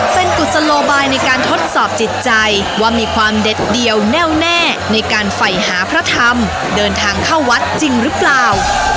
เป็นกุศโลบายในการทดสอบจิตใจว่ามีความเด็ดเดี่ยวแน่วแน่ในการไฟหาพระธรรมเดินทางเข้าวัดจริงหรือเปล่า